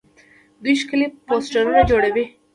دوی ښکلي پوسټرونه جوړوي.